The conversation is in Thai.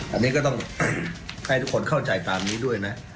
อันนี้ก็ต้องให้ทุกคนเข้าใจตามนี้ด้วยนะ